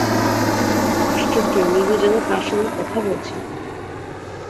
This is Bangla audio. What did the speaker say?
আশ্চর্য নীলু যেন কার সঙ্গে কথা বলছে।